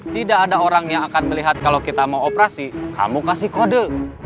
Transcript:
tidak ada orang yang akan melihat kalau kita mau operasi kamu kasih kode